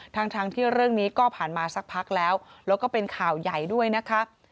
ทั้งที่เรื่องนี้ก็ผ่านมาสักพักแล้วแล้วก็เป็นข่าวใหญ่ด้วยนะคะ